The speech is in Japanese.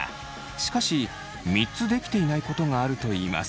しかし３つできていないことがあるといいます。